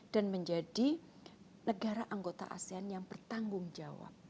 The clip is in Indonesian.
dan menjadi negara anggota asean yang bertanggung jawab